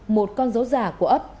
một con dấu giả của ấp